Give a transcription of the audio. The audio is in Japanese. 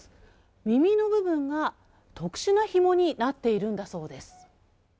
耳の部分が特殊なひもになっているんだそうです。